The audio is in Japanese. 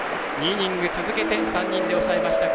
２イニング続けて３人で抑えました。